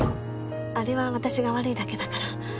あれは私が悪いだけだから。